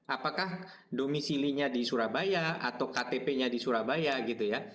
apakah domisilinya di surabaya atau ktp nya di surabaya gitu ya